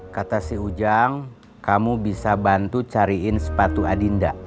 kata si ujang kamu bisa bantu cariin sepatu adinda